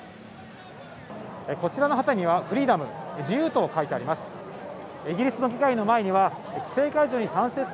こちらの旗にはフリーダム・自由と書いてあります。